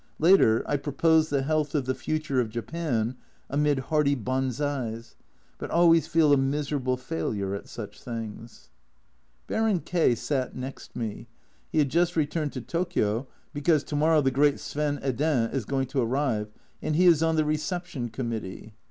Later, I proposed the health of the future of Japan, amid hearty banzais but always feel a miserable failure at such things. 236 A Journal from Japan Baron K sat next me he had just returned to Tokio, because to morrow the great Sven Hedin is going to arrive, and he is on the reception committee.